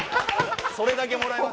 それだけもらえました。